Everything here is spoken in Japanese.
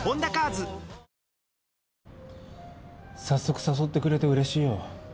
早速誘ってくれてうれしいよ。